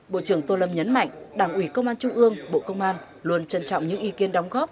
bộ trưởng tô lâm nhấn mạnh đảng ủy công an trung ương bộ công an luôn trân trọng những ý kiến đóng góp